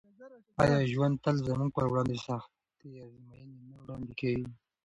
آیا ژوند تل زموږ پر وړاندې سختې ازموینې نه وړاندې کوي؟